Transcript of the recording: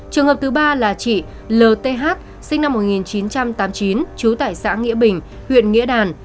trường hợp thứ ba là chị lth sinh năm một nghìn chín trăm tám mươi chín trú tại xã nghĩa bình huyện nghĩa đàn